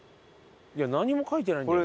なんにも書いてないんだよね。